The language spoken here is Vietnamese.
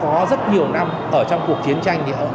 có rất nhiều năm ở trong cuộc chiến tranh